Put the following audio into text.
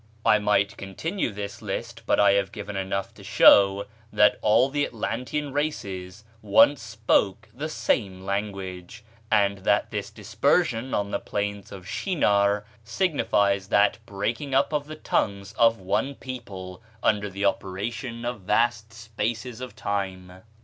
I might continue this list, but I have given enough to show that all the Atlantean races once spoke the same language, and that the dispersion on the plains of Shinar signifies that breaking up of the tongues of one people under the operation of vast spaces of time.